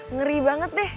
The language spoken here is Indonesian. ngeri banget deh